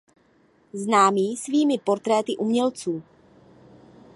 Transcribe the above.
Známý svými portréty umělců.